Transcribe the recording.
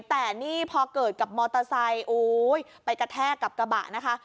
แต่นี่พอเกิดกับมอเตอร์ไซค์ไปกระแทกกับกระบะนะคะ